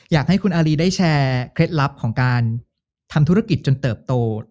อยากให้คุณอารีได้แชร์เคล็ดลับของการทำธุรกิจจนเติบโต